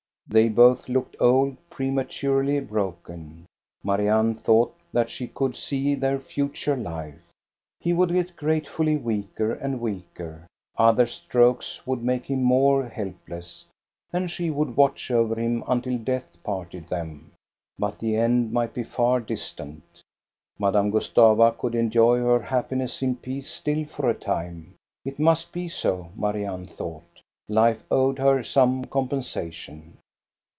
They both looked old, pre 364 THE STORY OF GOSTA BERUNG maturely broken. Marianne thought that she could see their future life. He would get gradually weaker and weaker; other strokes would make him more helpless, and she would watch over him until death parted them. But the end might be far distant Madame Gustava could enjoy her happiness in peace still for a time. It must be so, Marianne thought Life owed her some compensation.